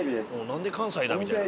何で関西だみたいな。